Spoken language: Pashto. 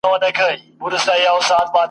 نه د چا په حلواګانو کي لوبیږو !.